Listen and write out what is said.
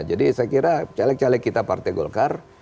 jadi saya kira celek celek kita partai golkar